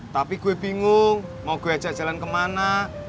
tapi gue bingung mau gue ajak jalan kemana